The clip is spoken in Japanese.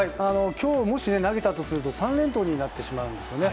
今日もし投げたとすると３連投になってしまうんですよね。